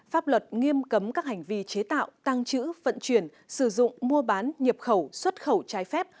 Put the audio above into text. pháp luật nghiêm cấm các hành vi chế tạo tăng trữ vận chuyển sử dụng mua bán nhập khẩu xuất khẩu trái phép